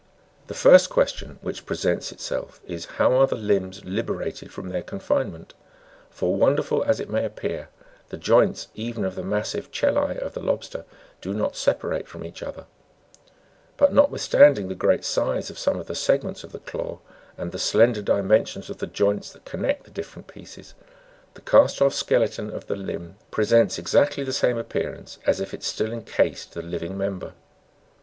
The first question which presents itself, is, how are the limbs liberated from their confinement? for, wonderful as it may appear, the joints even of the massive chelae, of the lobster do not separate from each other ; but, notwithstanding the great size of some of the segments of the claw, and the slender dimensions of the joints that connect the different pieces, the cast off skeleton of the limb presents exactly the same appearance as if it still encased the living mem ber.